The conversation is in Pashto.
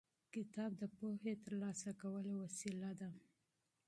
کتاب د پوهې د ترلاسه کولو وسیله ده.